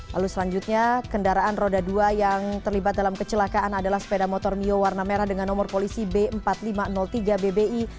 lalu selanjutnya kendaraan roda dua yang terlibat dalam kecelakaan adalah sepeda motor mio warna merah dengan nomor polisi b empat ribu lima ratus tiga bbi